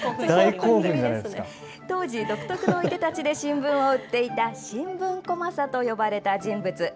当時、独特のいでたちで新聞を売っていた新聞小政と呼ばれた人物。